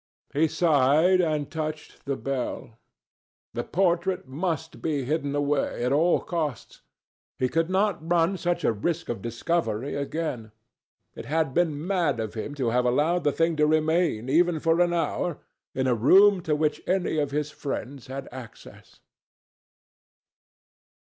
He sighed and touched the bell. The portrait must be hidden away at all costs. He could not run such a risk of discovery again. It had been mad of him to have allowed the thing to remain, even for an hour, in a room to which any of his friends had access.